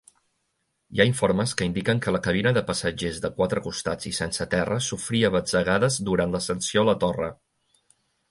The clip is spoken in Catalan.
Hi ha informes que indiquen que la cabina de passatgers de quatre costats i sense terra sofria batzegades durant l'ascensió a la torre.